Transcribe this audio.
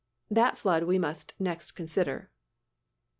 That flood we must next consider.